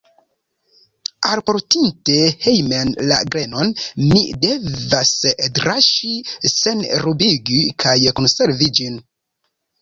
Alportinte hejmen la grenon, mi devas draŝi, senrubigi kaj konservi ĝin.